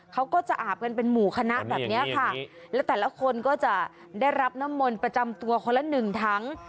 เขาก็จะอาบกันเป็นหมู่คณะแบบเนี้ยค่ะและแต่ละคนก็จะได้รับน้ำมนต์ประจำตัวคนละหนึ่งถัง